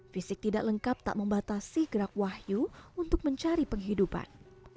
fisik tidak lengkap tak membatasi gerak wahyu untuk mencari penghidupan